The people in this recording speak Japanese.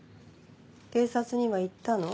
警察には言ったの？